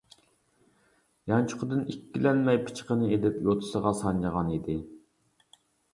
يانچۇقىدىن ئىككىلەنمەي پىچىقىنى ئېلىپ يوتىسىغا سانجىغان ئىدى.